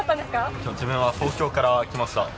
今日、自分は東京から来ました。